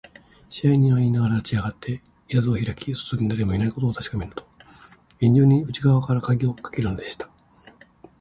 支配人はいいながら、立ちあがって、板戸をひらき、外にだれもいないことをたしかめると、げんじゅうに内がわからかぎをかけるのでした。